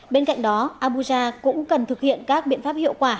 bên cạnh đó abuja cũng cần thực hiện các biện pháp hiệu quả